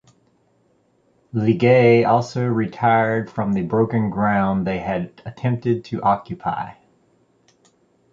Legeay also retired from the broken ground they had attempted to occupy.